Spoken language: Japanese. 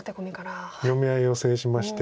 ここの読み合いを制しまして。